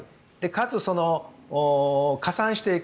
かつ、加算していく。